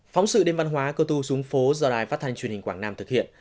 phóng sự đêm văn hóa cơ tu xuống phố do đài phát thanh truyền hình quảng nam thực hiện